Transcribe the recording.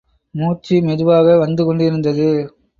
மூச்சு மெதுவாக வந்து கொண்டிருந்தது.